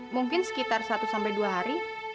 mungkin sekitar satu sampai dua hari